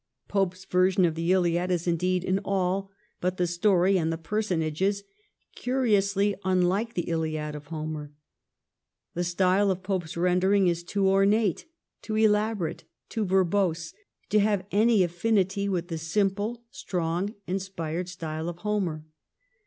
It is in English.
Pope's version of the ' Iliad ' is indeed, in all but the story and the personages, curiously unlike the ' Hiad ' of Homer. The style of Pope's rendering is too ornate, too elaborate, too verbose, to have any affinity with the simple, strong, inspired style of Homer.